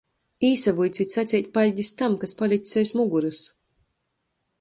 Īsavuicit saceit paļdis tam, kas palics aiz mugorys.